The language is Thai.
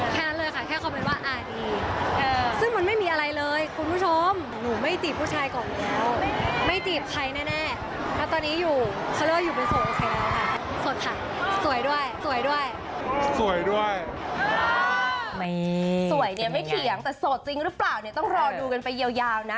สวยเนี่ยไม่เถียงแต่โสดจริงหรือเปล่าเนี่ยต้องรอดูกันไปยาวนะ